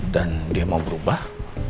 dan dia mau berubah